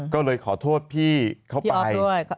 ก็เลยขอโทษพี่เขาไป